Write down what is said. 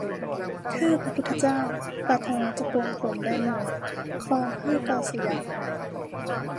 ข้าพระพุทธเจ้าปรารถนาจะปลงผมและหนวด ครองผ้ากาสายะ